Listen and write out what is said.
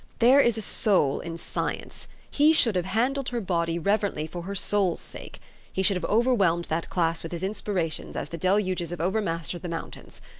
There is a soul in science : he should have handled her body reverently for her soul's sake. He should have overwhelmed that class with his inspirations, as the deluges have overmastered the mountains.